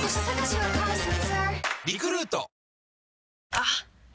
あっ！